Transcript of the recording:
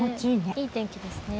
いい天気ですね。